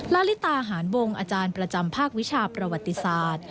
ลาลิตาหารวงอาจารย์ประจำภาควิชาประวัติศาสตร์